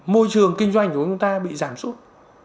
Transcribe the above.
môi trường kinh doanh của chúng ta bị giảm sút